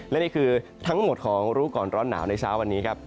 และนี่คือทั้งหมดของรู้ก่อนร้อนหนาวในเช้าวันนี้ครับ